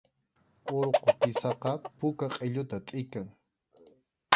Urqu kisaqa puka qʼilluta tʼikan